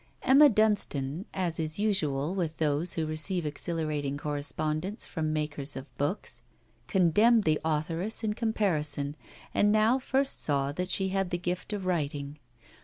Emma Dunstane, as is usual with those who receive exhilarating correspondence from makers of books, condemned the authoress in comparison, and now first saw that she had the gift of writing.